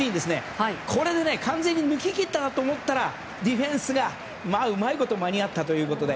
これで完全に抜ききったと思ったらディフェンスが、うまいこと間に合ったということで。